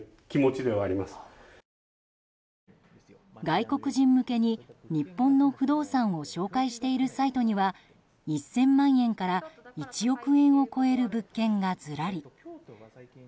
外国人向けに日本の不動産を紹介しているサイトには１０００万円から１億円を超える物件がずらり。